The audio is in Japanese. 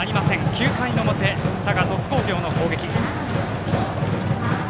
９回の表佐賀、鳥栖工業の攻撃。